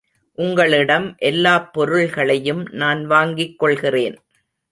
உங்களிடம் எல்லாப் பொருள்களையும் நான் வாங்கிக் கொள்கிறேன்.